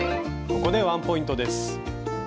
ここでワンポイントです。